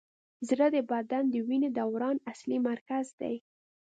زړه د بدن د وینې دوران اصلي مرکز دی.